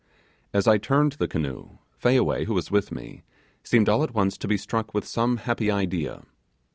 As I turned the canoe, Fayaway, who was with me, seemed all at once to be struck with some happy idea.